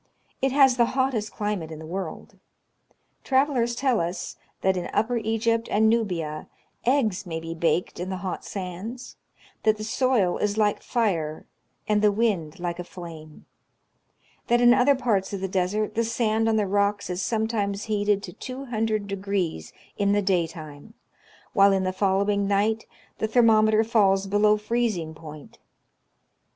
It has the hottest climate in the world. Travelers tell us, that, in upper Egypt and Nubia, eggs may be baked in the hot sands ; that the soil is like fire, and the wind like a flame ; that in other parts of the desert the sand on the rocks is sometimes heated to 200° in the day time, while in the following night the thermometer falls below freez ing point.